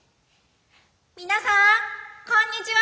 皆さんこんにちは！